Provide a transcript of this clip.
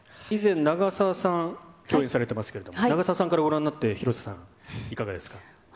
以前、長澤さん、共演されてますけど、長澤さんからご覧になって、広瀬さん、いかがですか。